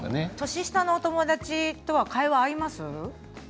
年下のお友達と会話が合いますか。